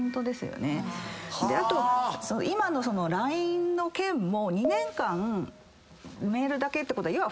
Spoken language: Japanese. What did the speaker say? あと今のＬＩＮＥの件も２年間メールだけってことは要はフラれてる。